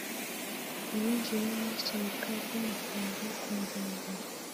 iyinjira n isohoka ry amafaranga ku ngengo